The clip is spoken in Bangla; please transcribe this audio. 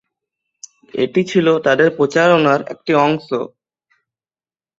এটি ছিলো তাদের প্রচারণার একটি অংশ।